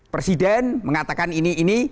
presiden mengatakan ini ini